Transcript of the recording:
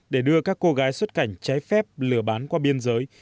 để đưa các cô gái xuất cảnh trái phép lừa bán qua biên giới